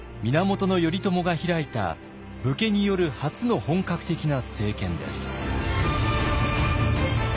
源頼朝が開いた武家による初の本格的な政権です。